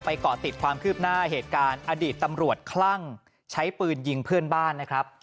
เกาะติดความคืบหน้าเหตุการณ์อดีตตำรวจคลั่งใช้ปืนยิงเพื่อนบ้านนะครับ